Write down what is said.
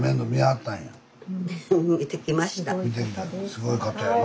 すごい方やな。